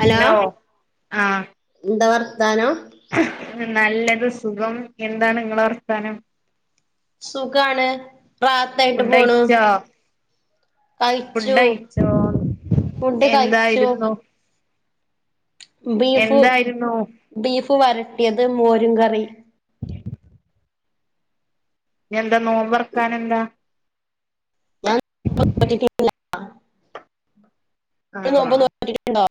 Hello ആഹ് ന്താ വർത്താനോം നല്ലത് സുഖം എന്താണ് ഇങ്ങളെ വർത്താനം സുഖാണ് റാത്തായിട്ട് പോണു ഫുഡഴിച്ചോ കഴിച്ചു ഫുഡഴിച്ചോന്ന് ഫുഡ് കഴിച്ചു എന്തായിരുന്നു ബീഫ് എന്തായിരുന്നു ബീഫ് വരട്ടിയത് മോരും കറി എന്താ നോമ്പ് തൊറക്കാനെന്താ? ഒറ്റക്ക് [unintelligible] നിങ്ങൾ നോമ്പ് ആഹ് നോറ്റീട്ടുണ്ടേ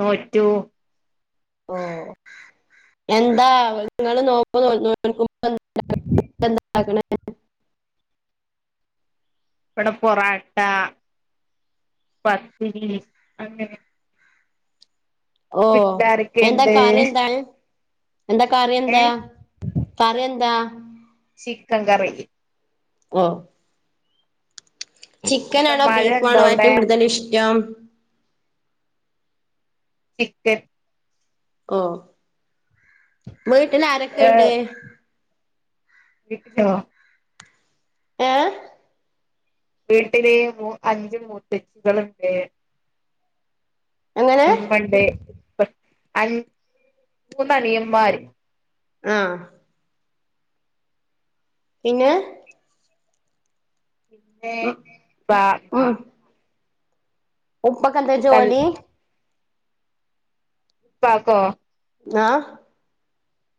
നോറ്റു ഓ എന്താ ങ്ങള് നോമ്പ് നോൽക്കുമ്പൊ എന്താണ്ടാക്ക്ണേ വിടെ പൊറാട്ട പത്തിരി അങ്ങനെ ഓ എന്താ വീട്ടിലാരൊക്കെയുണ്ട് കറി എന്താണ്? എന്താ കറി എന്താ ഏഹ് കറി എന്താ? ചിക്കങ്കറി ഓഹ് എന്താ ചിക്കനാണോ മഴയുണ്ടോ ബീഫാണോ അവിടെ ഏറ്റവും കൂടുതൽ ഇഷ്ടം? ചിക്കൻ ഓഹ് വീട്ടിലാരെക്കെ ഇണ്ട്? വിച്ചോ ഏ വീട്ടില് അഞ്ച് മുത്തച്ചികള്ണ്ട് എങ്ങനെ ഇമ്മണ്ട് അൻ മൂന്നണിയമ്മാര് ആഹ് പിന്നെ? ഏ ഉം പ മ ഉം ഉപ്പക്കെന്താ കൽ ജോലി? പ്പാക്കൊ? ആഹ്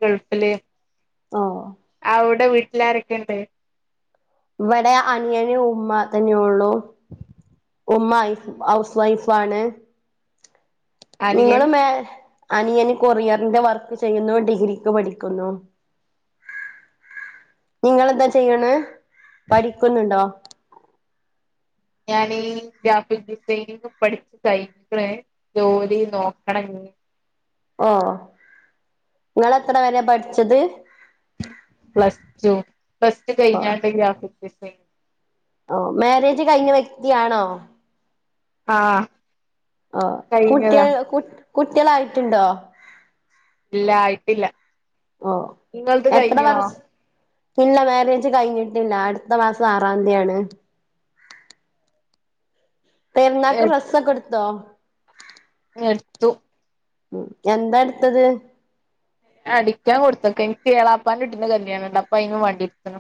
ഗൾഫില് ഓഹ് അവിടെ വീട്ടിലാരെക്കെണ്ട്? ഇവടെ അനിയന് ഉമ്മ തന്നെ ഉള്ളു ഉമ്മ് ഐഫ് ഹൗസ് വൈഫാണ് അനിയൻ നിങ്ങള് മേ അനിയന് കൊറിയറിന്റെ വർക്ക് ചെയ്യുന്നു ഡിഗ്രിക്ക് പഠിക്കുന്നു നിങ്ങളെന്താ ചെയ്യണ് പഠിക്കുന്നുണ്ടോ? ഞാനീ ഗ്രാഫിക് ഡിസൈനിങ്ങ് പഠിച്ച് കഴിഞ്ഞിക്ക്ണ് ജോലി നോക്കണം ഇഞ്ഞി ഓഹ് ഇങ്ങളെത്ര വരെ പഠിച്ചത്? പ്ലസ് ടു പ്ലസ് ടു കഴിഞ്ഞാണ്ട് ഗ്രാഫിക്ക്ഡിസൈനിങ് ഓ മേരേജ് കഴിഞ്ഞ വ്യക്തിയാണോ? ആഹ് ഓഹ് കഴിഞ്ഞതാ കുട്ട്യേൾ കുട്ട്യേളായിട്ട് ണ്ടോ? ഇല്ല ആയിട്ടില്ല ഓഹ് ഇങ്ങൾത് എത്ര കഴിഞ്ഞോ? വർഷ ഇല്ല മേരേജ് കഴിഞ്ഞിട്ടില്ല അടുത്ത മാസം ആറാം തീയാണ് എ പെരുന്നാക്ക് ഡ്രെസ്സെക്കെടുത്തോ? എടുത്തു ഉം എന്താ എടുത്തത്? ഞാ അടിക്കാൻ കൊടുത്ത്ക്ക എനിക്ക് എളാപ്പാന്റെ കുട്ടീന്റെ കല്യാണ് ണ്ട് അപ്പൊ അയിന് വാണ്ടി ഇടുത്തതാ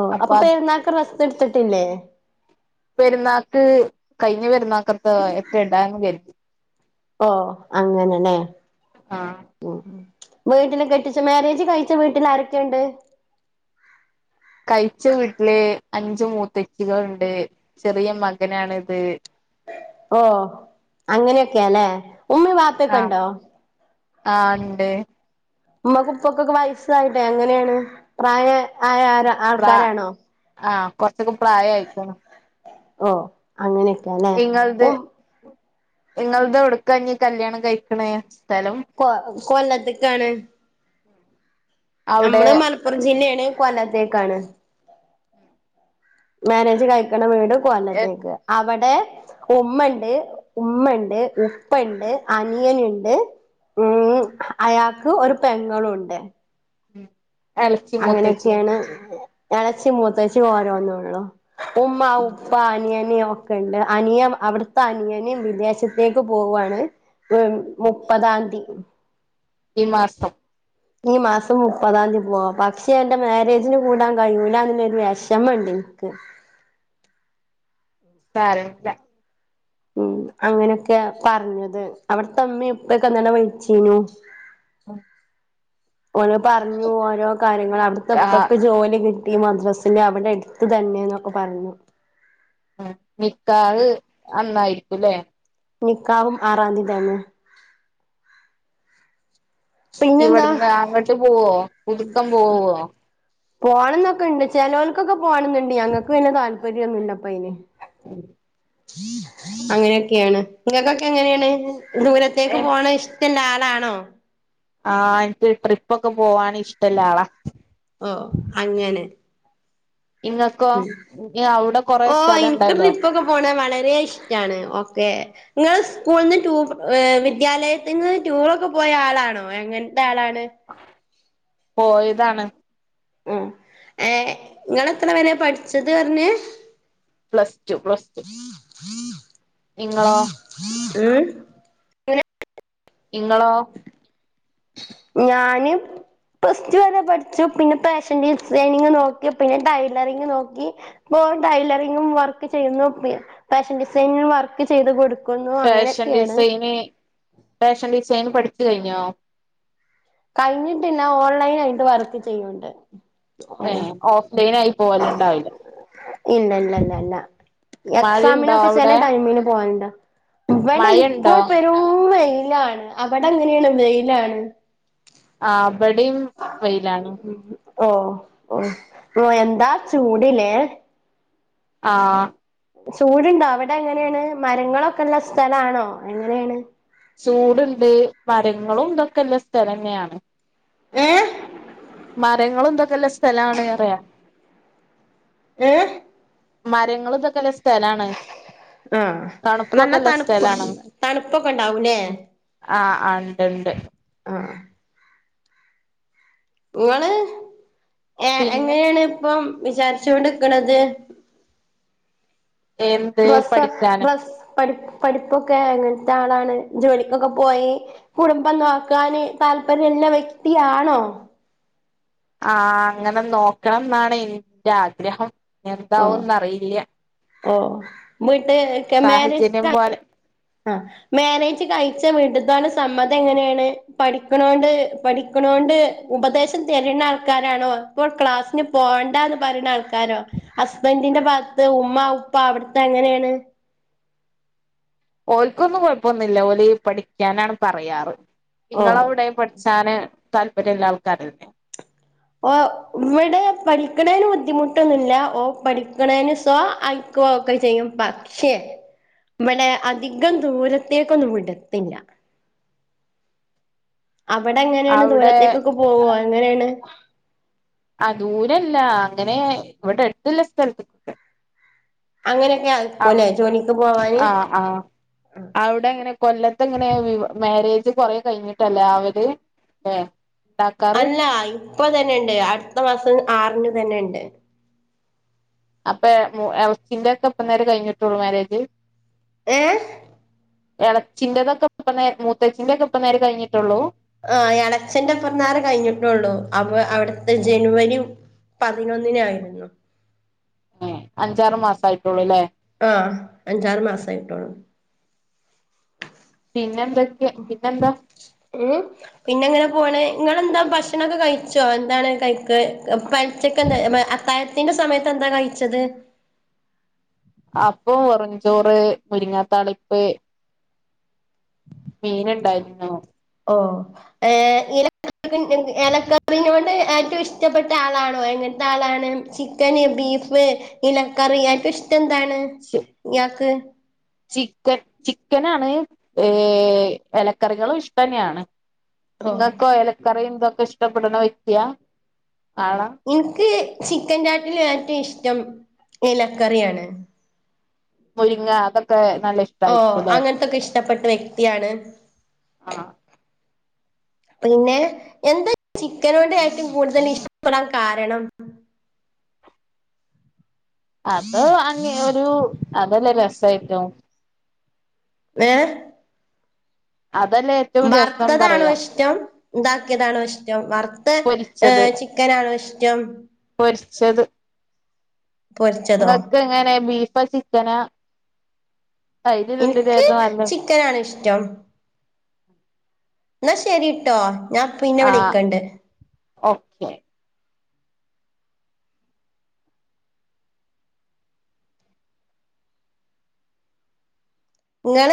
ഓഹ് അപ്പൊ പെരുന്നാക്ക് ഡ്രസ്സ് ഇട്ത്തിട്ടില്ലേ.? പെരുന്നാക്ക് കയിഞ്ഞ പെരുന്നാക്കത്തെ ഒക്കെ ഇടാന്ന് കരുതി. ഓഹ് അങ്ങനെനേ ആഹ് ഉം വീട്ടില് കെട്ടിച്ച മേരേജ് കഴിച്ച വീട്ടിൽ ആരൊക്കെണ്ട്? കഴിച്ച വീട്ടില് അഞ്ച് മൂത്തച്ചികള് ഇണ്ട്. ചെറിയ മകനാണിത്. ഓഹ് അങ്ങനെയൊക്കെയാല്ലേ. ഉമ്മേം വാ ആഹ് ആഹ് ഉണ്ട്. ഉമ്മക്ക് ഉപ്പാക്കൊക്കെ വയസായിട്ടെ എങ്ങനെയാണ് പ്രായ ആയാൽ പ്രാ ആഹ് കൊറച്ചൊക്കെ പ്രായം ആയേക്കണ്. മ് അങ്ങനെയൊക്കെയാല്ലെ. ഇങ്ങളത് ഇങ്ങളുടെ എവിടുക്കാ ഞ്ഞെ കല്യാണം കഴിക്കണേ സ്ഥലം? കൊ കൊല്ലത്ത്ക്കാണ്. അവിടെ നമ്മള് മലപ്പുറം ജില്ലയാണ്. കൊല്ലത്തേക്കാണ്. മ്യാരേജ് കഴിക്കണ വീട് എ കൊല്ലത്തേക്ക്. അവടെ ഉമ്മ ഇണ്ട്, ഉമ്മ ഇണ്ട്, ഉപ്പ ഇണ്ട്, അനിയൻ ഇണ്ട് ഇനി അയാൾക്ക് ഒരു പെങ്ങളുണ്ട്. ഉം അങ്ങനെയൊക്കെയാണ് ഇളച്ചി മൂത്തേച്ചി ഓരോന്നൊള്ളൂ. ഉമ്മ, ഉപ്പ അനിയന് ഒ ക്കെണ്ട്. അനിയൻ അവിടുത്തെ അനിയന് വിദേശത്തേക്ക് പോവാണ്. മ് മുപ്പതാംതി. ഈ മാസം. ഈ മാസം മുപ്പതാം തീയതി പോവാ. പക്ഷെ എന്റെ മാരേജിന് കൂടാൻ കഴിയൂലാന്നുള്ളൊരു വിഷമോണ്ട് എനിക്ക്. സാരമില്ല. ഉം അങ്ങനെയൊക്കെയാ പറഞ്ഞത്. അവിടുത്തെ ഉമ്മേം ഉപ്പൊയൊക്കെ ഇന്നലെ വിളിച്ചീനു. ഉം ഓലു പറഞ്ഞു ഓരോ കാര്യങ്ങൾ. അവിടുത്തെ നിക്കാ ഉപ്പക്ക് ജോലി കി ട്ടി മദ്രസയില് അവടെ അടുത്ത് തന്നെയെന്നൊക്കെ പറഞ്ഞു. ആഹ് നിക്കാഹ് അന്നായിരിക്കൂലേ. നിക്കാഹും ആറാംതി തന്നെ. പിന്നെന്താ ഇവിടുന്ന് അങ്ങട്ട് പോവോ? പുതുക്കം പോവോ? പോകണം എന്നൊക്കെ ഉണ്ട്. ചിലവൾക്കൊക്കെ പോണംന്നുണ്ട്. ഞങ്ങൾക്ക് പിന്നെ താല്പര്യമൊന്നുമില്ലപ്പ അയ്ന്. അങ്ങനെയൊക്കെയാണ്. നിങ്ങൾക്കൊക്കെ എങ്ങനെയാണ്? ദൂരത്തേക്ക് പോണ ഇഷ് ത്തിൻ്റെ ആളാണോ? ആഹ് എനിക്ക് ട്രിപ്പ് ഒക്കെ പോവാന് ഇഷ്ടൊള്ള ആളാ. ഓഹ് അങ്ങനെ. ഇങ്ങക്കോ ഉം ഇനി അവിടെ കൊറേ സ്ഥലണ്ടല്ലോ. പോണെ വളരെ ഇഷ്ടമാണ്. ഒക്കേ. നിങ്ങൾ സ്കൂളിൽ നിന്ന് ടൂർ ഏഹ് വിദ്യാലയത്തിൽ നിന്ന് ടൂറൊക്കെ പോയ ആളാണോ എങ്ങനത്തെ ആളാണ്? പോയതാണ്. ഉം ഏഹ് നിങ്ങള് എത്ര വരെ പഠിച്ചത് പറഞ്ഞേ. Plus two plus two. നിങ്ങളോ? ഉം ഇങ്ങളോ? ഞാന് പ്ലസ് ടു വരെ പഠിച്ചു പിന്നെ ഫാഷൻ ഡിസൈനിങ് നോക്കി പിന്നെ ടൈലറിങ് നോക്കി. മോൻ ടൈലറിങ്ങും വർക്ക് ചെയ്യുന്നു ഫാഷൻ ഡിസൈനിങും വർക്ക് ചെയ്ത് കൊട് ഫാഷൻ ഡിസൈന് ഫാഷൻ ഡിസൈന് പഠിച്ച് കഴിഞ്ഞോ കഴിഞ്ഞിട്ടില്ല ഓൺലൈൻ ആയിട്ട് വർക്ക്‌ ചെയ്യുണ്ട് ഏ ഓഫ്‌ലൈൻ ആയി പോവല് ഇണ്ടാവില്ല ഇല്ല ഇല്ല ഇല്ല ഇല്ല മഴയുണ്ടോ എക്സാമിനൊക്കെ ചെല അവിടെ ടൈമിന് പോവൽണ്ട് ഇവടെ ഇപ്പോ മഴയുണ്ടോ പെ രും വെയിലാണ് അവടെ എങ്ങനേണ് വെയ്ലാണ് ആഹ് ബടിം ഉം ഓ ഓ പ്പൊ എന്താ ചൂട് ല്ലേ ആഹ് ചൂട് ഇണ്ടോ അവടെ എങ്ങനേണ് മരങ്ങളൊക്കെ ഇള്ള സ്ഥലാണോ എങ്ങനേണ് ചൂട്ണ്ട് മരങ്ങളും ഇതൊക്കെള്ള സ്ഥലന്ന്യാണ് ഏ മരങ്ങളും ഇന്തൊക്കെല്ല സ്ഥലാണ് പറയാ ഏഹ് മരങ്ങളും ഇതൊക്കെല്ല സ്ഥലാണ് തണുപ്പൊക്കെല്ല സ്ഥലാണ് തണ്പ്പൊക്കെ ഇണ്ടാവും ല്ലേ ഉം ആഹ് ആഹ് ഇണ്ട് ഇണ്ട് ആഹ് ഇങ്ങള് എഹ് പിന്നെ എങ്ങനേണ് ഇപ്പം വിചാര്ച്ച് കൊണ്ട്ക്ക്ണത് എന്ത് ബ്ര സ്സ പഠിക്കാന് ബസ്സ് പഠി പഠിപ്പൊക്കെ എങ്ങൻത്താളാണ് ജോലിക്കൊക്കെ പോയി കുടുംബം നോക്കാന് താല്പര്യള്ള വ്യക്തിയാണോ ആഹ് അങ്ങനെ നോക്കണംന്നാണ് ഇന്റെ ആഗ്രഹം ആഹ് എന്താവുംന്നറിയില്ല ഓ വീട്ട് കെ മേരേജ് സാഹചര്യം അങ്ങ് പോലെ അഹ് മേരേജ് കഴിച്ച വീട്ട്ത്താളെ സമ്മതം എങ്ങനേണ് പഠിക്ക്ണോണ്ട് പഠിക്ക്ണോണ്ട് ഉപദേശം തെര്ണ ആൾക്കാരാണോ ഇപ്പോൾ ക്ലാസ്സിന് പോവണ്ടാന്ന് പറീണ ആൾക്കാരോ ഹസ്ബന്റിന്റെ ഭാഗത്ത് ഉമ്മ ഉപ്പ അവിട്ത്തെ എങ്ങനേണ് ഓല്ക്കൊന്നും കൊഴപ്പൊന്നില്ല ഓല് പഠിക്ക്യാനാണ് പറയാറ് ഇങ്ങളെ ഓഹ് അവ്ടെ പഠി ചാന് താല്പര്യള്ള ആൾക്കാരെന്നെ ഓ ഇവടെ പഠിക്ക്ണേന് ബുദ്ധിമുട്ടൊന്നു ഇല്ല ഓ പഠിക്ക്ണേന് ഷാ അയ് ക്കൊക്കെ ചെയ്യും പക്ഷെ ഇവടെ അധികം ദൂരത്തേക്കൊന്നും വിടത്തില്ല അവടെ എങ്ങനേണ് അവിടെ ദൂരത്തേക്കൊക്കെ പോവോ എങ്ങനേണ് അഹ് ദൂരല്ല അങ്ങനെ ഇവടെ എട്ത്ത്ല്ല സ്ഥൽത്ത്ക്കൊക്കെ അങ്ങനെയൊക്കെ അയക്കുലേ ജോലിക്ക് പോവാന് അവ്ടെ എങ്ങനെ കൊല്ലത്ത് എങ്ങനെ വീവ് മാരേജ് കൊറേ കഴ്ഞ്ഞ്ട്ടല്ലേ ആവല് ഏ അല്ല ഇപ്പൊതന്നെണ്ട് അട്ത്ത മാസം ആറ്ന് തന്നെണ്ട് അപ്പൊ എളച്ചിന്റെ ഒക്കെ ഇപ്പന്നേരെ കഴിഞ്ഞിട്ടുള്ളൂ മേരേജ് ഏഹ് എളച്ചിന്റെതൊക്കെ ഇപ്പന്നേ മൂത്തച്ചിന്റെ ഒക്കെ ഇപ്പന്നേരെ കഴിഞ്ഞിട്ടൊള്ളൂ ആഹ് എളച്ചന്റെ ഇപ്പന്നാരെ കഴിഞ്ഞിട്ടൊള്ളു അപ്പൊ അവിട്ത്തെ ജനുവരി പതിനൊന്നിനായിരുന്നു ഏ അഞ്ചാറ് മാസം ആയിട്ടൊള്ളൂല്ലേ ആഹ് അഞ്ചാറ് മാസായിട്ടൊള്ളു പിന്നെ എന്തൊക്കെ പിന്നെന്താ ഏഹ് പിന്നെങ്ങനെ പോണ് ഇങ്ങളെന്താ ഭക്ഷണൊക്ക കഴിച്ചോ എന്താണ് കഴിക്ക് പെലച്ചക്ക് എന്താ അ അത്തായത്തിന്റെ സമയത്ത് എന്ത കഴിച്ചത് അപ്പൊ വെറുഞ്ചോറ് മുരിങ്ങാത്താളിപ്പ് മീന് ഇണ്ടായിര്ന്നു ഓഹ് ഏഹ് ഇല ഇലക്കറി കൊണ്ട് ഏറ്റവും ഇഷ്ടപ്പെട്ട ആളാണൊ എങ്ങൻത്ത ആളാണ് ചി ചിക്കന് ബീഫ് ഇലക്കറി ഏറ്റവും ഇഷ്ടം എന്താണ് ഇയാക്ക് ചിക്കൻ ചിക്കനാണ് ഏഹ് ഇലക്കറികളും ഇഷ്ടന്നേണ് ഓ ഇങ്ങക്കോ ഇലക്കറി ഇതൊക്കെ ഇഷ്ടപ്പെട്ണ വ്യക്തിയാ ആളാ ഇൻക്ക് ചിക്കൻ ചാട്ടിൽ ഏറ്റവും ഇഷ്ടം ഇലക്കറിയാണ് മുരിങ്ങ അതൊക്കെ നല്ല ഇഷ് ഓഹ് അങ്ങൻത്തൊക്കെ ഇഷ്ടപ്പെട്ട വ്യക്തിയാണ് ആഹ് പിന്നെ എന്താ ചിക്കനോട് ഏറ്റവും കൂടുതല് ഇഷ്ടപ്പെടാൻ കാരണം അതോ അങ്ങ ഒരു അതല്ലെ രസയ്റ്റം എഹ് അതല്ലേ ഏറ്റവും രസം വർത്തതാണോ പറയാ ഇഷ്ടം ഇതാക്കിതാണൊ ഇഷ്ടം വറുത്ത പൊരിച്ചത് ഏഹ് ചിക്കനാണോ ഇഷ്ടം പൊരിച്ചത് പൊരിച്ചതോ ഇങ്ങക്ക് എങ്ങനെ ബീഫ ചിക്കന അയില് രണ്ടിലും ഏതാ നല്ല ക്കനാണ് ഇഷ്ടം ഇന്ന ശരിട്ടോ ഞാ പിന്നെ ആ വിളിക്കണ്ട് ഓക്കെ ഇങ്ങളി